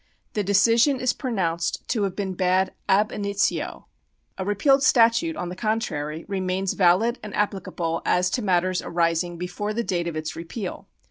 The decision is pro nounced to have been bad ab initio. A repealed statute, on the contrary, remains valid and applicable as to matters arising before the date of its repeal.